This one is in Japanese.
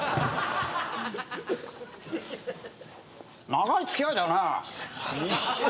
長い付き合いだよね。